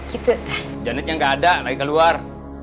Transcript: gitu teh janetnya gak ada lagi keluar